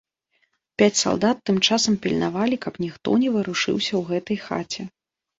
Пяць салдат тым часам пільнавалі, каб ніхто не варушыўся ў гэтай хаце.